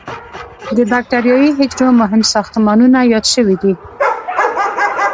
د بکټریايي حجرو مهم ساختمانونه یاد شوي دي.